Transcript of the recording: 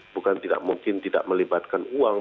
bukan tidak mungkin tidak melibatkan uang